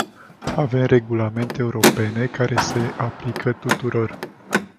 Avem regulamente europene care se aplică tuturor.